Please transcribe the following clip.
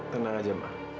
tenang aja ma